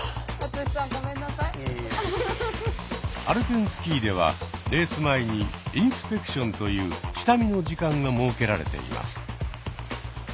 アルペンスキーではレース前にインスペクションという下見の時間が設けられています。